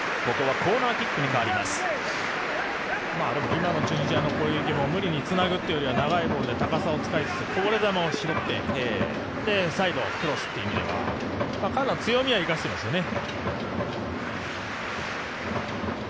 今のチュニジアの攻撃も無理につなぐというよりは長いボールで高さを使いつつこぼれ球を拾ってサイド、クロスという意味では彼らの強みは生かしてますね。